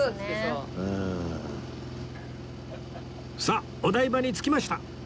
さあお台場に着きました